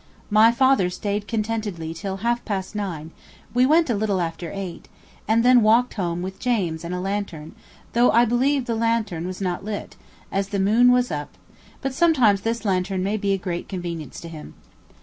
My father staid contentedly till half past nine (we went a little after eight), and then walked home with James and a lanthorn, though I believe the lanthorn was not lit, as the moon was up; but sometimes this lanthorn may be a great convenience to him.